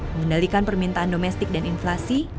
mengendalikan permintaan domestik dan inflasi